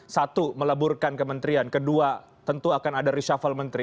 satu meleburkan kementerian kedua tentu akan ada reshuffle menteri